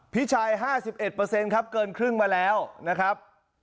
พี่ชาย๕๑ครับเกินครึ่งมาแล้วนะครับ